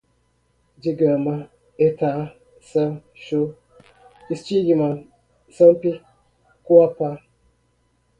digama, hetá, san, sho, stigma, sampi, qoppa